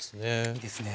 いいですね。